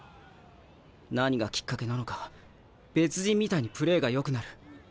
何がきっかけなのか別人みたいにプレーがよくなる。